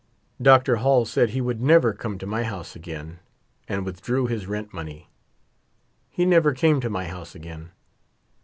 Dr. Hall said he would never come to my house again, and withdrew his rent money. He never came to my house acrain.